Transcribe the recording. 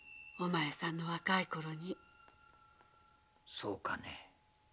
そうかね。